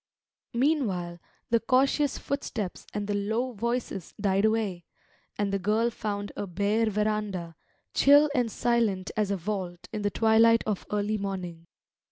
Meanwhile the cautious footsteps and the low voices died away; and the girl found a bare verandah, chill and silent as a vault in the twilight of early morning.